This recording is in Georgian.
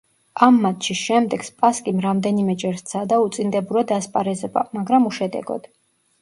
ამ მატჩის შემდეგ სპასკიმ რამდენიმეჯერ სცადა უწინდებურად ასპარეზობა, მაგრამ უშედეგოდ.